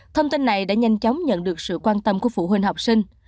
thông tin này đã nhanh chóng nhận được sự quan tâm của phụ huynh học sinh